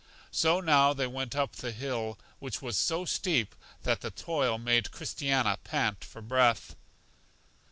So now they went up the hill, which was so steep that the toil made Christiana pant for breath.